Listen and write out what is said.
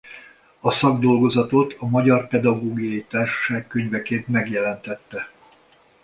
A szakdolgozatot a Magyar Pedagógiai Társaság könyvként megjelentette.